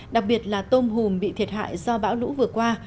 đặc biệt là tôm hùm bị thiệt hại do bão lũ vừa qua